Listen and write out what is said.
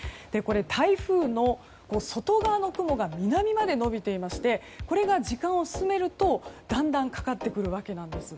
台風の外側の雲が南まで伸びていましてこれが時間を進めるとだんだんかかってくるわけなんです。